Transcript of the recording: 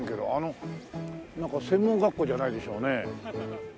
あのなんか専門学校じゃないでしょうね。